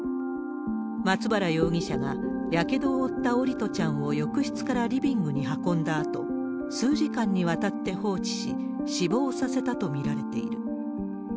松原容疑者がやけどを負った桜利斗ちゃんを浴室からリビングに運んだあと、数時間にわたって放置し、死亡させたと見られている。